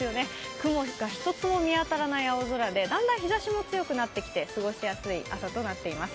雲が一つも見当たらない青空でだんだん日ざしも強くなってきて過ごしやすい朝となっています。